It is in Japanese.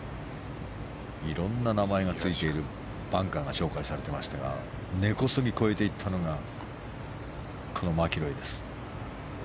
いろんな名前がついてるバンカーが紹介されていましたが根こそぎ越えていったのがマキロイです。